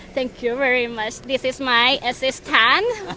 ขอบคุณมากนี่คือช่วยผม